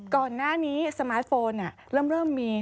ก่อนหน้านี้สมาร์ทโฟนเริ่มมี